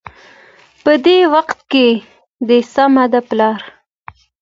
په دې وخت کې د صمد پلار